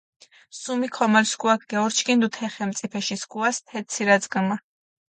სუმი ქომოლ სქუაქ გეურჩქინდუ თე ხენწიფეში სქუას თე ცირაწკჷმა.